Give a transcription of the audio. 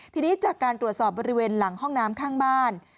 ทีนี้จากการตรวจสอบบริเวณหลังห้องน้ำข้างบ้าน